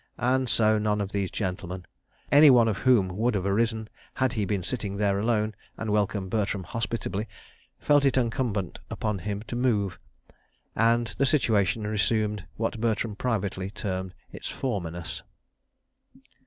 ... And so none of these gentlemen, any one of whom would have arisen, had he been sitting there alone, and welcomed Bertram hospitably, felt it incumbent upon him to move, and the situation resumed what Bertram privately termed its formerness.